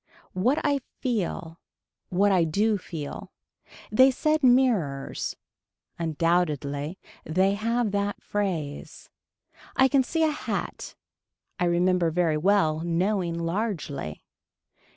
What I feel. What I do feel. They said mirrors. Undoubtedly they have that phrase. I can see a hat. I remember very well knowing largely.